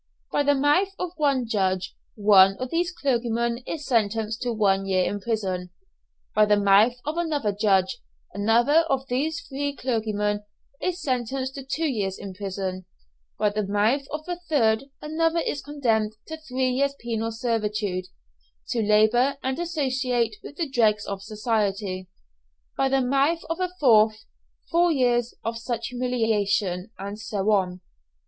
By the mouth of one judge, one of these clergymen is sentenced to one year in prison; by the mouth of another judge, another of these clergymen is sentenced to two years in prison; by the mouth of a third, another is condemned to three years penal servitude, to labour and associate with the dregs of society; by the mouth of a fourth, four years of such humiliation; and so on.